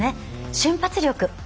瞬発力。